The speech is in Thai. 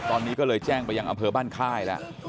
ตอนนี้ก็เลยแจ้งไปยังอำเภอบ้านค่ายแล้ว